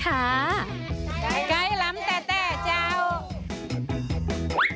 ไก่ล้ำแต่เจ้า